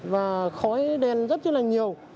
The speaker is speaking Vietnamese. và khói đèn rất là nhiều